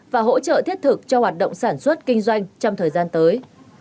và hỗ trợ thiết thực cho hoạt động sản xuất kinh doanh trong thời gian tới